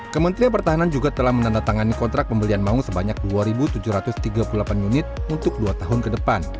kementerian pertahanan juga telah menandatangani kontrak pembelian maung sebanyak dua tujuh ratus tiga puluh delapan unit untuk dua tahun ke depan